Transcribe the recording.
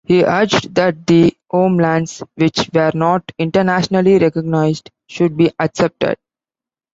He urged that the 'homelands', which were not internationally recognised, should be accepted.